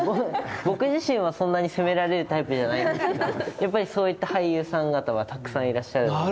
僕自身はそんなに攻められるタイプじゃないんですけどやっぱりそういった俳優さん方はたくさんいらっしゃるので。